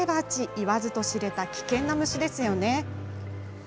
言わずと知れた危険な虫ですよね。